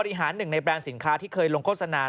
หนึ่งในแบรนด์สินค้าที่เคยลงโฆษณา